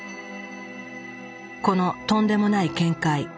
このとんでもない見解。